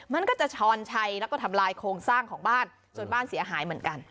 มันก็จะช้อนชัยแล้วก็ทำลายโครงสร้างของบ้านจนบ้านเสียหายเหมือนกัน